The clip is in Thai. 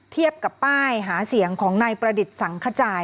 เทียบกับป้ายหาเสียงของนายประดิษฐ์สังขจาย